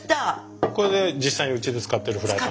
これ実際にうちで使ってるフライパン。